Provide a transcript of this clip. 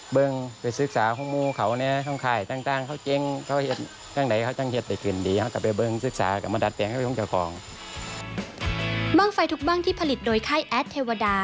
บ้างไฟทุกบ้างที่ผลิตโดยไข้แอดเทวดา